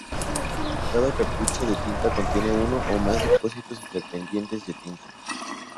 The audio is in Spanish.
Cada cartucho de tinta contiene uno o más depósitos independientes de tinta.